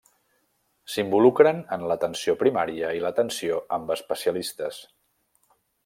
S'involucren en l'atenció primària i l'atenció amb especialistes.